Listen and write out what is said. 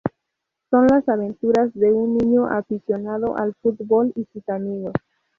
Son las aventuras de un niño aficionado al fútbol y sus amigos.